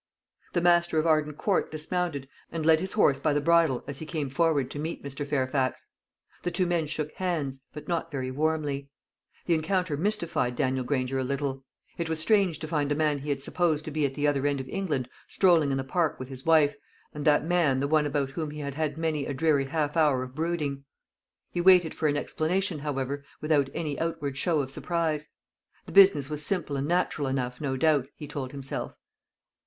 The master of Arden Court dismounted, and led his horse by the bridle as he came forward to meet Mr. Fairfax. The two men shook hands; but not very warmly. The encounter mystified Daniel Granger a little. It was strange to find a man he had supposed to be at the other end of England strolling in the park with his wife, and that man the one about whom he had had many a dreary half hour of brooding. He waited for an explanation, however, without any outward show of surprise. The business was simple and natural enough, no doubt, he told himself.